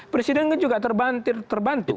presiden juga terbantir terbantu